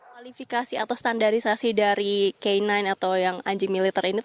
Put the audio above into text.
kualifikasi atau standarisasi dari kainai atau anjing militer ini